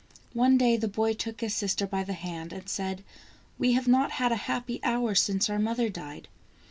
One day the boy took his sister by the hand, and said : "We have not had a happy hour since our mother died.